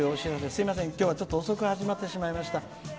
すいません、きょうは遅く始まってしまいました。